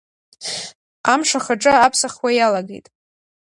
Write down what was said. Амш ахаҿы аԥсахуа иалагеит.